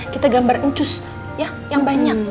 kita gambar encus ya yang banyak